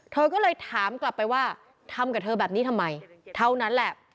เธอก็เลยถามกลับไปว่าทำกับเธอแบบนี้ทำไมเท่านั้นแหละ